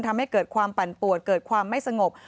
ทำให้เกิดความปั่นปวดเกิดความไม่สงบ